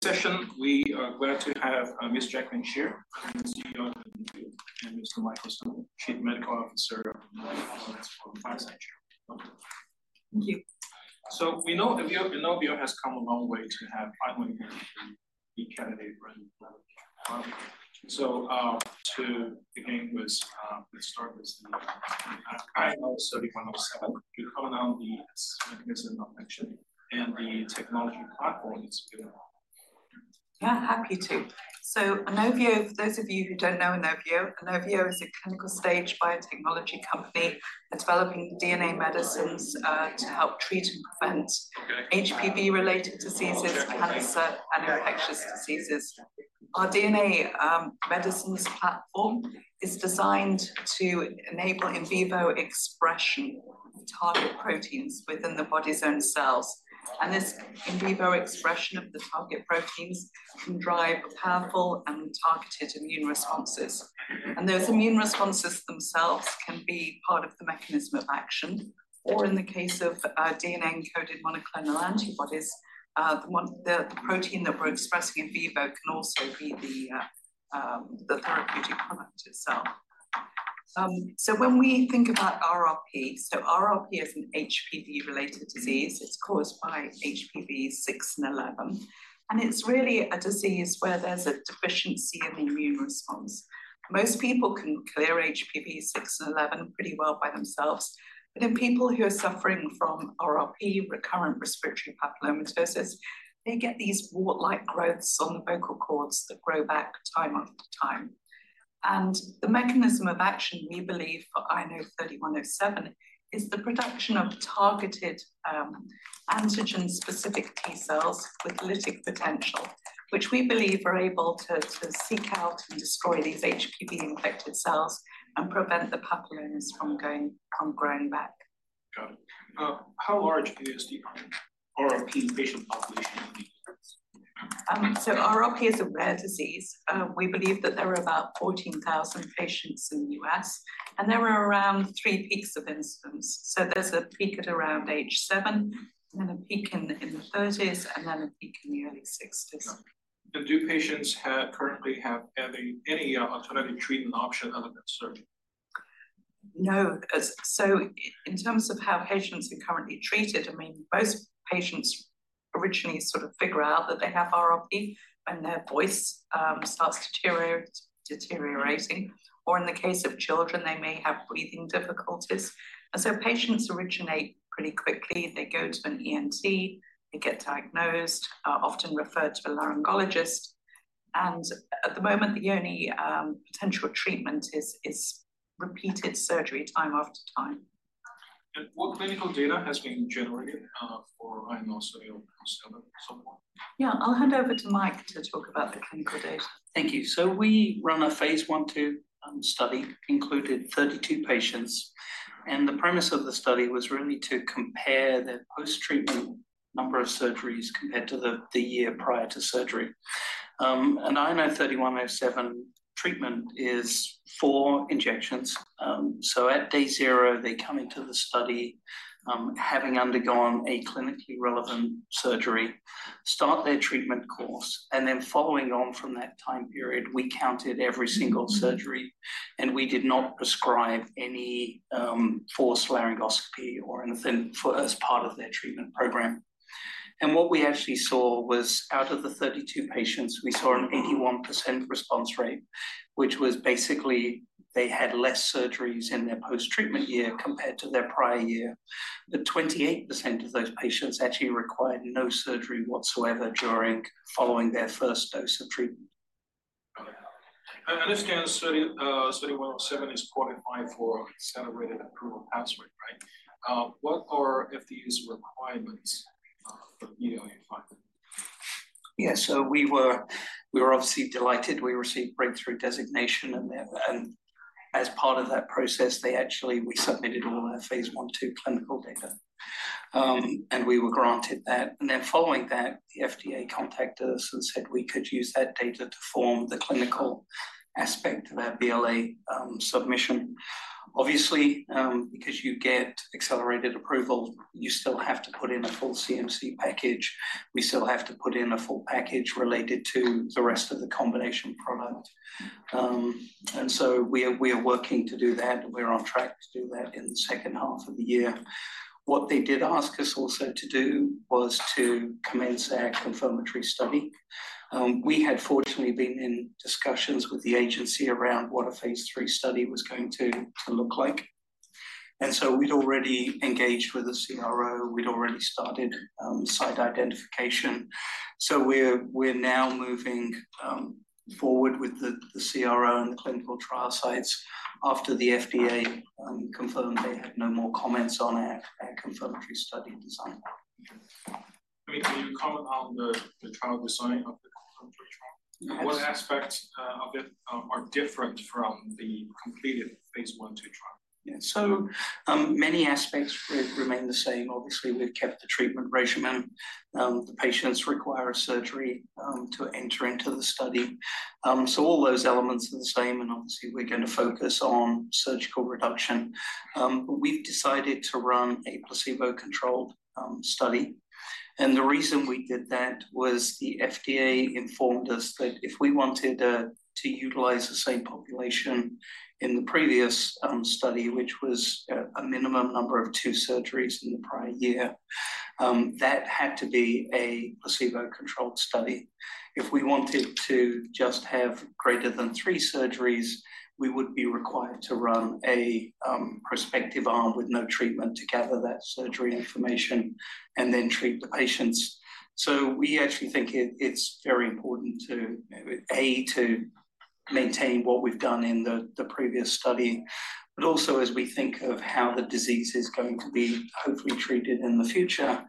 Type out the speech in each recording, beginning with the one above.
Session, we are glad to have Ms. Jacqueline Shea, CEO, and Mr. Michael Sumner, Chief Medical Officer of INOVIO Pharmaceuticals. Thank you. So we know that INOVIO has come a long way to have finally the candidate run. So, to begin with, let's start with the INO-3107 to comment on the mechanism of action and the technology platform it's been on. Yeah, happy to. So INOVIO, for those of you who don't know INOVIO, INOVIO is a clinical stage biotechnology company that's developing DNA medicines to help treat and prevent HPV-related diseases, cancer, and infectious diseases. Our DNA medicines platform is designed to enable in vivo expression of target proteins within the body's own cells, and this in vivo expression of the target proteins can drive powerful and targeted immune responses. And those immune responses themselves can be part of the mechanism of action, or in the case of DNA-encoded monoclonal antibodies, the protein that we're expressing in vivo can also be the therapeutic product itself. So when we think about RRP, RRP is an HPV-related disease. It's caused by HPV-6 and 11, and it's really a disease where there's a deficiency in the immune response. Most people can clear HPV-6 and 11 pretty well by themselves, but in people who are suffering from RRP, recurrent respiratory papillomatosis, they get these wart-like growths on the vocal cords that grow back time after time. The mechanism of action, we believe, for INO-3107, is the production of targeted, antigen-specific T-cells with lytic potential, which we believe are able to seek out and destroy these HPV-infected cells and prevent the papillomas from growing back. Got it. How large is the RRP patient population in the U.S.? So RRP is a rare disease. We believe that there are about 14,000 patients in the U.S., and there are around three peaks of incidence. So there's a peak at around age seven, and a peak in the thirties, and then a peak in the early sixties. Do patients currently have any alternative treatment option other than surgery? No. So in terms of how patients are currently treated, I mean, most patients originally sort of figure out that they have RRP when their voice starts deteriorating, or in the case of children, they may have breathing difficulties. So patients originate pretty quickly. They go to an ENT, they get diagnosed, often referred to a laryngologist, and at the moment, the only potential treatment is repeated surgery time after time. What clinical data has been generated for INO-3107 so far? Yeah, I'll hand over to Mike to talk about the clinical data. Thank you. So we ran a phase I/II study, included 32 patients, and the premise of the study was really to compare the post-treatment number of surgeries compared to the year prior to surgery. An INO-3107 treatment is four injections. So at day zero, they come into the study, having undergone a clinically relevant surgery, start their treatment course, and then following on from that time period, we counted every single surgery, and we did not prescribe any forced laryngoscopy or anything as part of their treatment program. What we actually saw was out of the 32 patients, we saw an 81% response rate, which was basically they had less surgeries in their post-treatment year compared to their prior year. But 28% of those patients actually required no surgery whatsoever during, following their first dose of treatment. Okay. And this study, study 3107, is qualified for Accelerated Approval pathway, right? What are FDA's requirements for BLA filing? Yeah. So we were obviously delighted. We received Breakthrough Designation, and then, as part of that process, they actually, we submitted all our phase 1/2 clinical data. And we were granted that. And then following that, the FDA contacted us and said we could use that data to form the clinical aspect of our BLA submission. Obviously, because you get Accelerated Approval, you still have to put in a full CMC package. We still have to put in a full package related to the rest of the combination product. And so we are working to do that, and we're on track to do that in the second half of the year. What they did ask us also to do was to commence our confirmatory study. We had fortunately been in discussions with the agency around what a phase III study was going to look like. So we'd already engaged with a CRO. We'd already started site identification. So we're now moving forward with the CRO and the clinical trial sites after the FDA confirmed they had no more comments on our confirmatory study design. I mean, can you comment on the trial design of the confirmatory trial? Yes. What aspects of it are different from the completed phase 1/2 trial? Yeah. So, many aspects remain the same. Obviously, we've kept the treatment regimen. The patients require a surgery to enter into the study. So all those elements are the same, and obviously, we're gonna focus on surgical reduction. But we've decided to run a placebo-controlled study. And the reason we did that was the FDA informed us that if we wanted to utilize the same population in the previous study, which was a minimum number of two surgeries in the prior year, that had to be a placebo-controlled study. If we wanted to just have greater than three surgeries, we would be required to run a prospective arm with no treatment to gather that surgery information and then treat the patients. So we actually think it's very important to maintain what we've done in the previous study, but also as we think of how the disease is going to be hopefully treated in the future,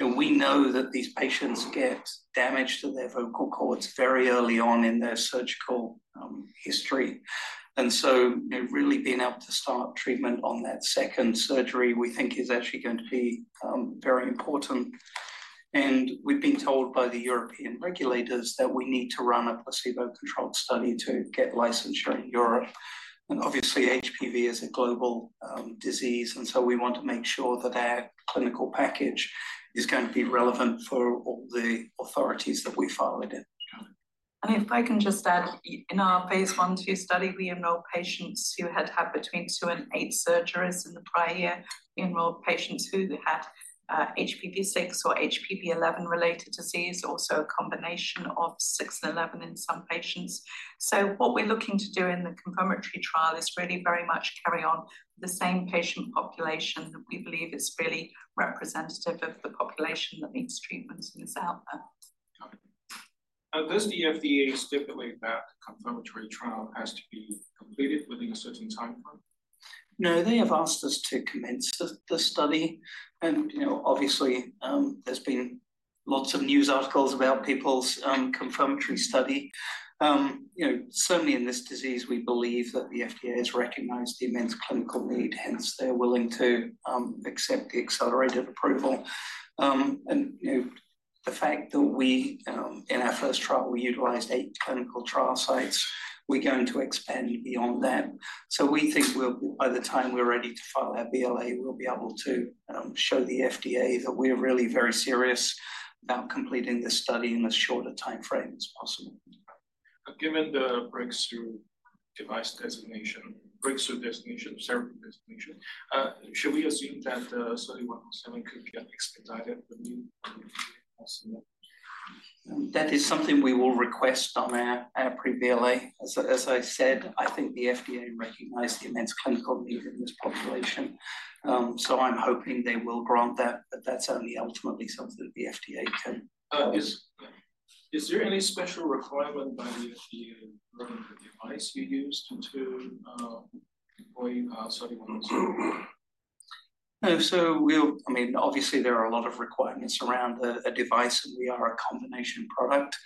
and we know that these patients get damage to their vocal cords very early on in their surgical history. And so, you know, really being able to start treatment on that second surgery, we think is actually going to be very important. And we've been told by the European regulators that we need to run a placebo-controlled study to get licensure in Europe. And obviously, HPV is a global disease, and so we want to make sure that our clinical package is going to be relevant for all the authorities that we file it in. If I can just add, in our phase I/II study, we enrolled patients who had had between 2 and 8 surgeries in the prior year. We enrolled patients who had HPV-6 or HPV-11-related disease, also a combination of 6 and 11 in some patients. What we're looking to do in the confirmatory trial is really very much carry on the same patient population that we believe is really representative of the population that needs treatments and is out there. Got it. Does the FDA stipulate that the confirmatory trial has to be completed within a certain timeframe? No, they have asked us to commence the study. And, you know, obviously, there's been lots of news articles about people's confirmatory study. You know, certainly in this disease, we believe that the FDA has recognized the immense clinical need, hence they're willing to accept the Accelerated Approval. And, you know, the fact that we in our first trial, we utilized eight clinical trial sites, we're going to expand beyond that. So we think we'll—by the time we're ready to file our BLA, we'll be able to show the FDA that we're really very serious about completing this study in as short a timeframe as possible. Given the breakthrough device designation, breakthrough designation, therapy designation, should we assume that study 3107 could get expedited when you...? That is something we will request on our pre-BLA. As I said, I think the FDA recognized the immense clinical need in this population, so I'm hoping they will grant that, but that's only ultimately something that the FDA can. Is there any special requirement by the FDA running the device you used to deploy study 3107? So we'll... I mean, obviously there are a lot of requirements around a device, and we are a combination product.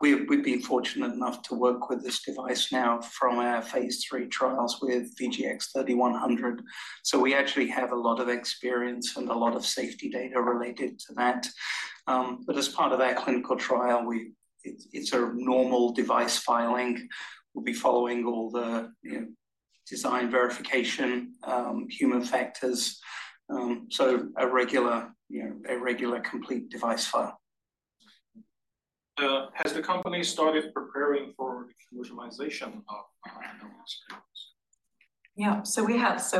We've been fortunate enough to work with this device now from our phase III trials with VGX-3100. So we actually have a lot of experience and a lot of safety data related to that. But as part of our clinical trial, it's a normal device filing. We'll be following all the, you know, design verification, human factors, so a regular, you know, a regular complete device file. Has the company started preparing for the commercialization of...? Yeah. So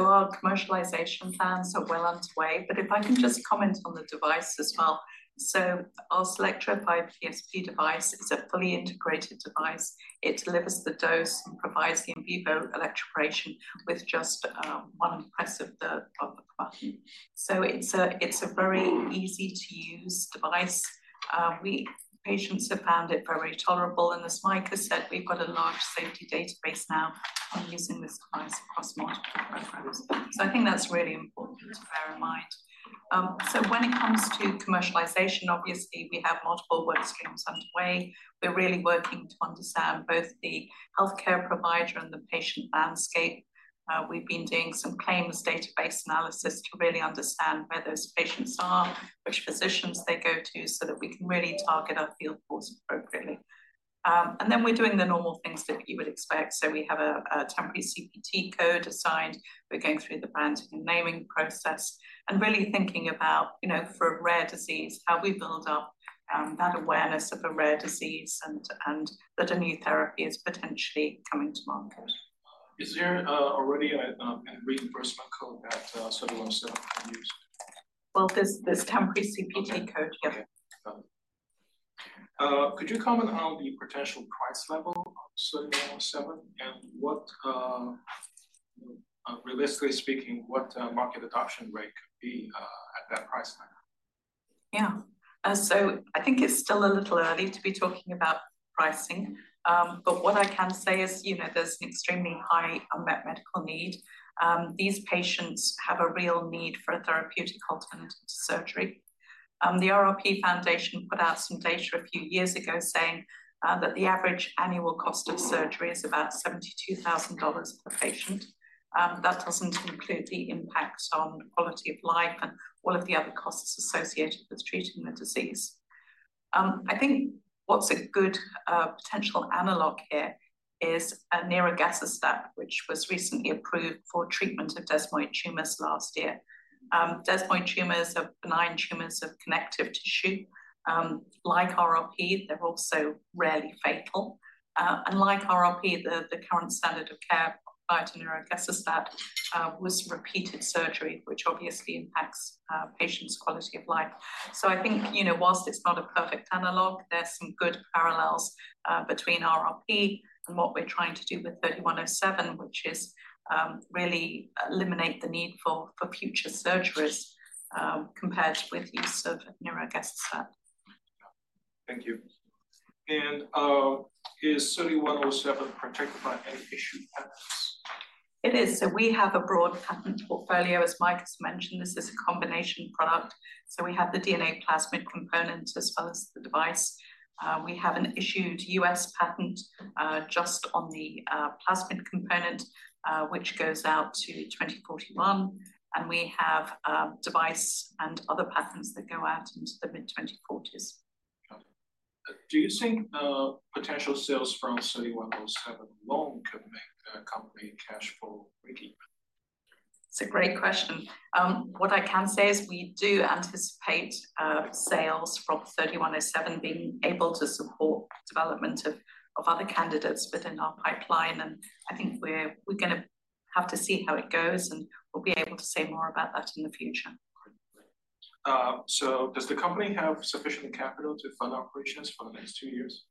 our commercialization plans are well underway, but if I can just comment on the device as well. So our CELLECTRA 5PSP device is a fully integrated device. It delivers the dose and provides the in vivo electroporation with just one press of the button. So it's a very easy-to-use device. Patients have found it very tolerable, and as Mike has said, we've got a large safety database now on using this device across multiple programs. So I think that's really important to bear in mind. So when it comes to commercialization, obviously, we have multiple work streams underway. We're really working to understand both the healthcare provider and the patient landscape. We've been doing some claims database analysis to really understand where those patients are, which physicians they go to, so that we can really target our field force appropriately. And then we're doing the normal things that you would expect. So we have a temporary CPT code assigned. We're going through the branding and naming process and really thinking about, you know, for a rare disease, how we build up that awareness of a rare disease and that a new therapy is potentially coming to market. Is there already a reimbursement code that study 3107 can use? Well, there's temporary CPT code, yeah. Okay. Could you comment on the potential price level of INO-3107, and what, realistically speaking, what market adoption rate could be at that price level? Yeah. So I think it's still a little early to be talking about pricing. But what I can say is, you know, there's an extremely high unmet medical need. These patients have a real need for a therapeutic alternative to surgery. The RRP Foundation put out some data a few years ago saying that the average annual cost of surgery is about $72,000 per patient. That doesn't include the impact on quality of life and all of the other costs associated with treating the disease. I think what's a good potential analog here is Ogsiveo, which was recently approved for treatment of desmoid tumors last year. Desmoid tumors are benign tumors of connective tissue. Like RRP, they're also rarely fatal. And like RRP, the current standard of care prior to Ogsiveo, was repeated surgery, which obviously impacts patient's quality of life. So I think, you know, while it's not a perfect analog, there's some good parallels, between RRP and what we're trying to do with INO-3107, which is, really eliminate the need for future surgeries, compared with use of Ogsiveo. Thank you. Is INO-3107 protected by any issued patents? It is. So we have a broad patent portfolio. As Mike has mentioned, this is a combination product. So we have the DNA plasmid component as well as the device. We have an issued U.S. patent, just on the plasmid component, which goes out to 2041, and we have device and other patents that go out into the mid-2040s. Got it. Do you think potential sales from INO-3107 alone could make the company cash flow positive? It's a great question. What I can say is we do anticipate sales from INO-3107 being able to support development of other candidates within our pipeline, and I think we're gonna have to see how it goes, and we'll be able to say more about that in the future. Does the company have sufficient capital to fund operations for the next two years?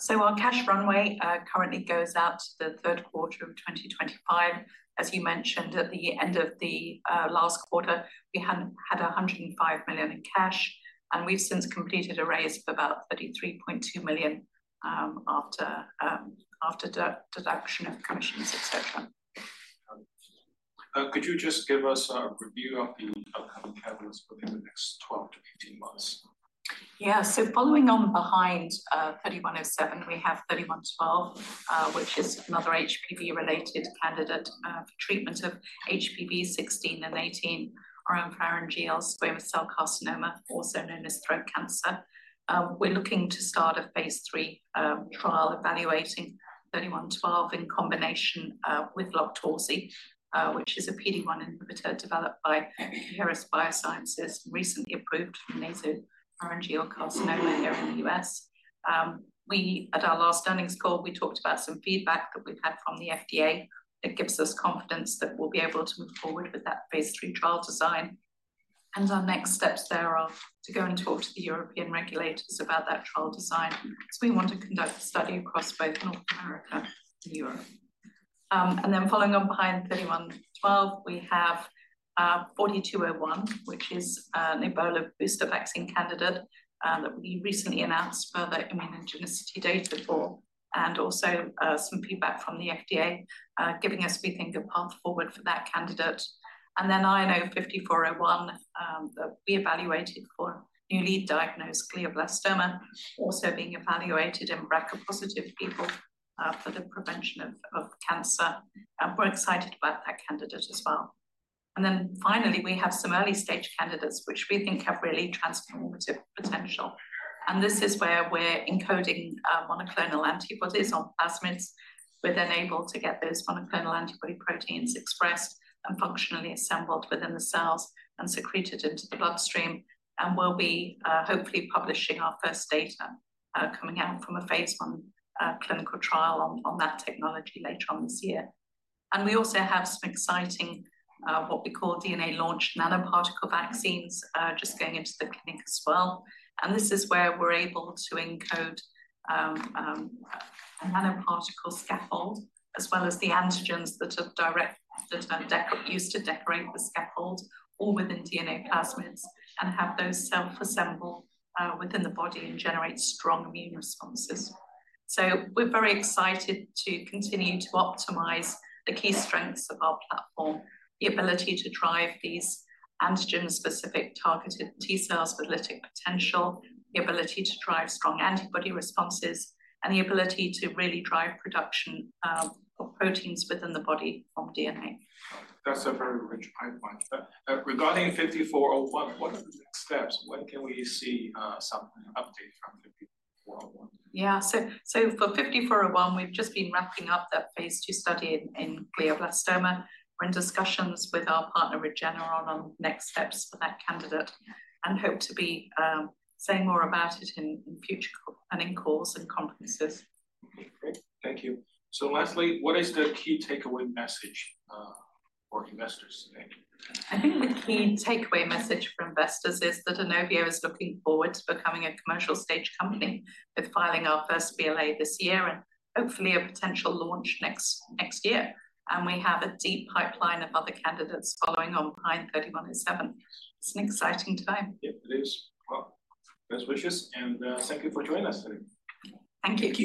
So our cash runway currently goes out to the third quarter of 2025. As you mentioned, at the end of the last quarter, we had $105 million in cash, and we've since completed a raise of about $33.2 million, after deduction of commissions, et cetera. Could you just give us a review of the upcoming candidates within the next 12-18 months? Yeah. So following on behind, INO-3107, we have INO-3112, which is another HPV-related candidate, for treatment of HPV-16 and 18, oropharyngeal squamous cell carcinoma, also known as throat cancer. We're looking to start a phase III trial evaluating INO-3112 in combination with LOQTORZI, which is a PD-1 inhibitor developed by Coherus BioSciences, recently approved for nasopharyngeal carcinoma here in the U.S. We, at our last earnings call, we talked about some feedback that we've had from the FDA, that gives us confidence that we'll be able to move forward with that phase III trial design. Our next steps there are to go and talk to the European regulators about that trial design, because we want to conduct a study across both North America and Europe. And then following on behind INO-3112, we have INO-4201, which is an Ebola booster vaccine candidate that we recently announced further immunogenicity data for, and also some feedback from the FDA giving us, we think, a path forward for that candidate. And then INO-5401, that we evaluated for newly diagnosed glioblastoma, also being evaluated in BRCA-positive people for the prevention of cancer, and we're excited about that candidate as well. And then finally, we have some early-stage candidates, which we think have really transformative potential. And this is where we're encoding monoclonal antibodies on plasmids. We're then able to get those monoclonal antibody proteins expressed and functionally assembled within the cells and secreted into the bloodstream, and we'll be hopefully publishing our first data coming out from a phase I clinical trial on that technology later on this year. And we also have some exciting what we call DNA-launched nanoparticle vaccines just going into the clinic as well. And this is where we're able to encode a nanoparticle scaffold, as well as the antigens that are used to decorate the scaffold, all within DNA plasmids, and have those self-assemble within the body and generate strong immune responses. We're very excited to continue to optimize the key strengths of our platform, the ability to drive these antigen-specific targeted T-cells with lytic potential, the ability to drive strong antibody responses, and the ability to really drive production of proteins within the body from DNA. That's a very rich pipeline. But, regarding 5401, what are the next steps? When can we see some update from 5401? Yeah. So for INO-5401, we've just been wrapping up that phase II study in glioblastoma. We're in discussions with our partner, Regeneron, on next steps for that candidate and hope to be saying more about it in future planning calls and conferences. Great. Thank you. So lastly, what is the key takeaway message, for investors today? I think the key takeaway message for investors is that INOVIO is looking forward to becoming a commercial-stage company, with filing our first BLA this year and hopefully a potential launch next, next year. And we have a deep pipeline of other candidates following on behind INO-3107. It's an exciting time. Yeah, it is. Well, best wishes, and thank you for joining us today. Thank you.